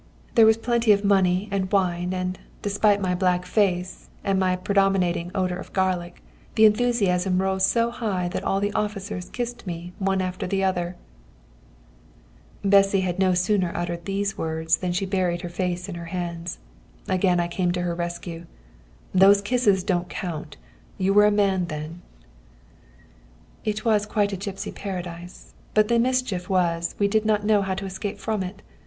There was plenty of money and wine, and, despite my black face and my predominating odour of garlic, the enthusiasm rose so high that all the officers kissed me one after the other." [Footnote 79: The Ban of Croatia, who sided with the Austrians against Hungary. TR.] Bessy had no sooner uttered these words than she buried her face in her hands. Again I came to her rescue. "Those kisses don't count; you were a man then." "It was quite a gipsy paradise, but the mischief was we did not know how to escape from it.